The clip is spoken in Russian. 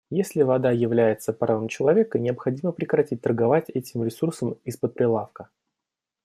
Если вода является правом человека, необходимо прекратить торговать этим ресурсом из-под прилавка.